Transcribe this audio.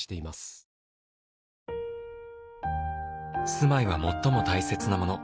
「住まいは最も大切なもの」